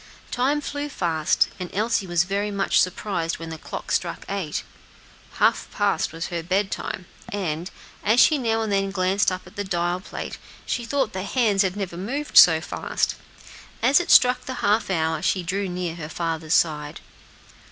Time flew fast, and Elsie was very much surprised when the clock struck eight. Half past was her bedtime; and, as she now and then glanced up at the dial plate, she thought the hands had never moved so fast. As it struck the half hour she drew near her father's side.